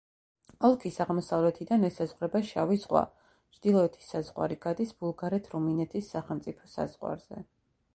ოლქის აღმოსავლეთიდან ესაზღვრება შავი ზღვა, ჩრდილოეთის საზღვარი გადის ბულგარეთ-რუმინეთის სახელმწიფო საზღვარზე.